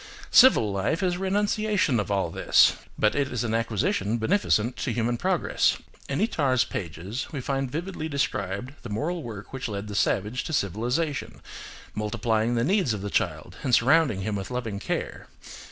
Civil life is a renunciation of all this: but it is an acquisition beneficent to human progress. In Itard's pages we find vividly described the moral work which led the savage to civilisation, multiplying the needs of the child and surrounding him with loving care.